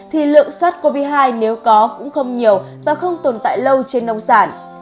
thì lượng sars cov hai nếu có cũng không nhiều và không tồn tại lâu trên nông sản